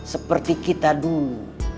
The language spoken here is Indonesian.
seperti kita dulu